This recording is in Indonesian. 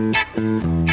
dengan luar negara